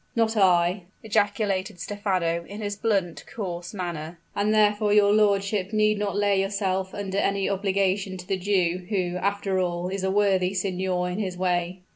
"Not I!" ejaculated Stephano, in his blunt, coarse manner. "And therefore your lordship need not lay yourself under any obligation to the Jew, who, after all, is a worthy signor in his way."